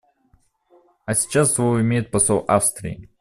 А сейчас слово имеет посол Австрии.